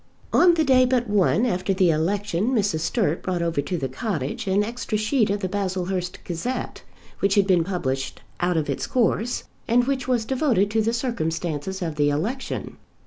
On the day but one after the election Mrs. Sturt brought over to the cottage an extra sheet of the "Baslehurst Gazette," which had been published out of its course, and which was devoted to the circumstances of the election.